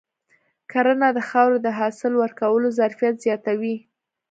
کرنه د خاورې د حاصل ورکولو ظرفیت زیاتوي.